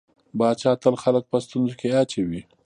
پاچا تل خلک په ستونزو کې اچوي.